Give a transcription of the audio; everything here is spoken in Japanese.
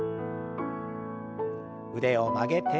腕を曲げて。